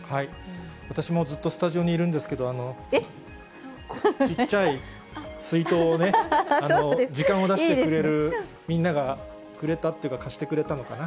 私もずっとスタジオにいるんですけど、ちっちゃい水筒をね、時間を出してくれるみんながくれたっていうか、貸してくれたのかな？